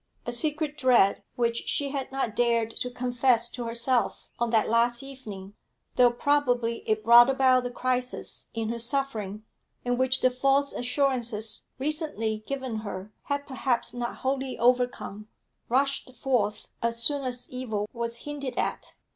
A secret dread, which she had not dared to confess to herself on that last evening, though probably it brought about the crisis in her suffering, and which the false assurances recently given her had perhaps not wholly overcome, rushed forth as soon as evil was hinted at.